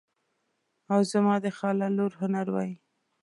او زما د خاله لور هنر وایي.